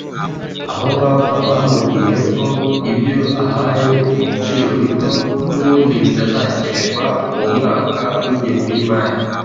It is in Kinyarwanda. aho baba bamubwiye ko ibyo ahaye ibiciro bito n’ubundi bitazakenerwa uwo mwaka w’ingengo y’imari